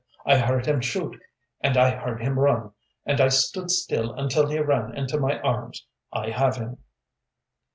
"I heard him shoot, and I heard him run, and I stood still until he ran into my arms. I have him."